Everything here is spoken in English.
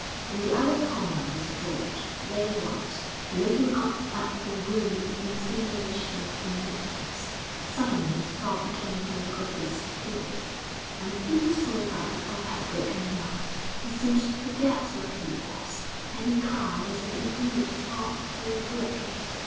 In the other corner was George, very white, looking up at the roof in simulation of indifference. Suddenly a sob came from the Griffiths' pew, and people saw that the father had broken down; he seemed to forget where he was, and he cried as if indeed his heart were broken.